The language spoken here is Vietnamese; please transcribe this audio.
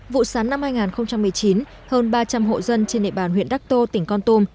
vụ sắn năm hai nghìn một mươi chín hơn ba trăm linh hộ dân trên địa bàn huyện đắc tô tỉnh con tum